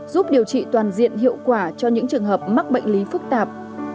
giúp điều trị toàn diện hiệu quả cho những trường hợp mắc bệnh lý phức tạp